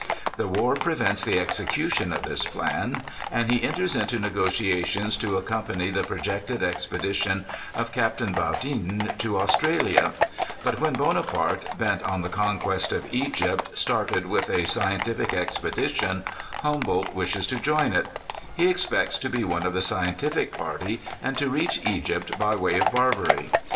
The war prevents the execution of this plan, and he enters into negotiations to accompany the projected expedition of Capt. Baudin to Australia; but when Bonaparte, bent on the conquest of Egypt, started with a scientific expedi tion, Humboldt wishes to join it He expects to be one of the scientific party, and to reach Egypt by way of Barbary.